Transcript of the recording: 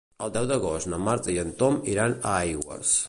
El deu d'agost na Marta i en Tom iran a Aigües.